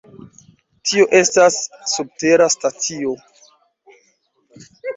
Tio estas subtera stacio.